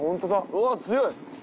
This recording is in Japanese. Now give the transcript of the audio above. うわ強い。